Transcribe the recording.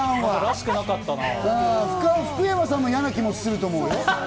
福山さんが嫌な気持ちすると思う。